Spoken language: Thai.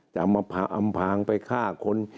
จะมาอำพางไปฆ่าคน